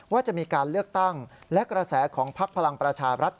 ว่าจะมีการเลือกตั้งและกระแสของพักพลังประชารัฐ